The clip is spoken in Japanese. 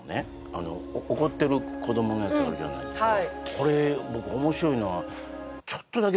あの「怒ってる子ども」のやつあるじゃないですか